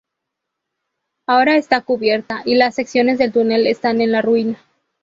Ahora está cubierta, y las secciones del túnel están en la ruina.